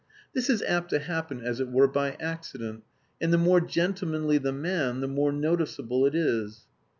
This is apt to happen as it were by accident, and the more gentlemanly the man the more noticeable it is.